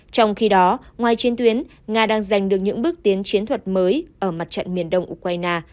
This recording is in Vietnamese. trong khi đó ngoài chiến tuyến nga đang giành được những bước tiến chiến thuật mới ở mặt trận miền đông ukraine